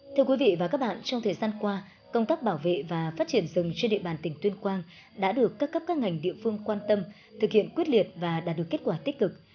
thưa quý vị và các bạn trong thời gian qua công tác bảo vệ và phát triển rừng trên địa bàn tỉnh tuyên quang đã được các cấp các ngành địa phương quan tâm thực hiện quyết liệt và đạt được kết quả tích cực